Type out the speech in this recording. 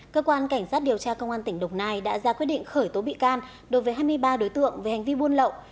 cơ quan cảnh sát điều tra công an tỉnh đồng nai đã ra quyết định khởi tố bị can đối với hai mươi ba đối tượng về hành vi buôn lậu